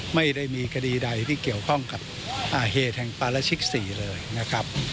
ไม่ได้มีคดีใดที่เกี่ยวข้องกับเหตุแห่งปาราชิก๔เลยนะครับ